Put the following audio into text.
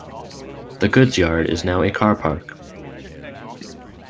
The goods yard is now a car park.